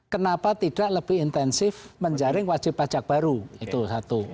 kenapa tidak lebih intensif menjaring wajib pajak baru itu satu